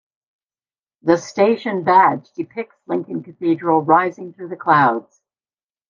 The station badge depicts Lincoln Cathedral rising through the clouds.